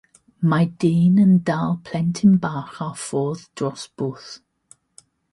mae dyn yn dal plentyn bach ar fwrdd dros bwll.